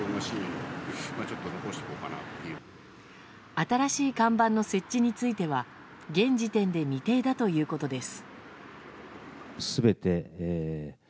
新しい看板の設置については現時点で未定だということです。